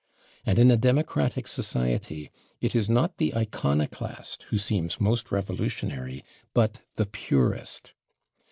And in a democratic society it is not the iconoclast who seems most revolutionary, but the purist.